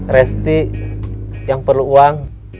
resti yang perlu uang